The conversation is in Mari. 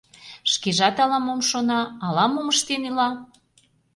Шкежат ала-мом шона, ала-мом ыштен ила.